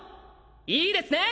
いいですね？